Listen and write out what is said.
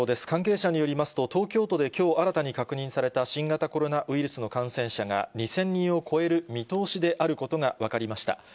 関係者によりますと、東京都できょう新たに確認された新型コロナウイルスの感染者が、２０００人を超える見通しであることが分かりました。